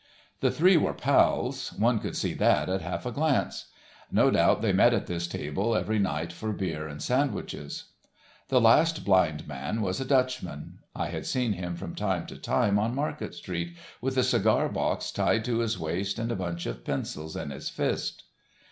The three were pals, one could see that at half a glance. No doubt they met at this table every night for beer and sandwiches. The last blind man was a Dutchman. I had seen him from time to time on Market street, with a cigar box tied to his waist and a bunch of pencils in his fist.